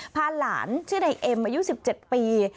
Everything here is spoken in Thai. พาหลานชื่อนายเอ็มอายุ๑๗ปี